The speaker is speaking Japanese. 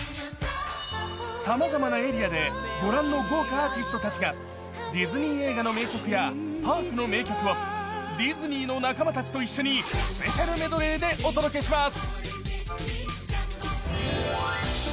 さまざまなエリアでご覧の豪華アーティストたちがディズニー映画の名曲やパークの名曲をディズニーの仲間たちと一緒にスペシャルメドレーでお届けします。